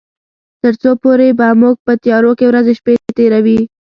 تر څو پورې به موږ په تيارو کې ورځې شپې تيروي.